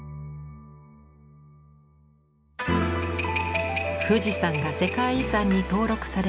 富士山が世界遺産に登録されて１０年。